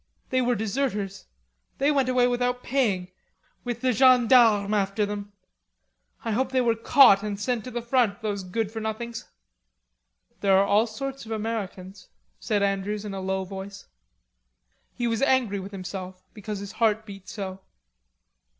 They were deserters. They went away without paying, with the gendarmes after them I hope they were caught and sent to the front, those good for nothings." "There are all sorts of Americans," said Andrews in a low voice. He was angry with himself because his heart beat so.